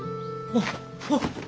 あっあっ！